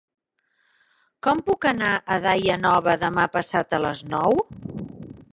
Com puc anar a Daia Nova demà passat a les nou?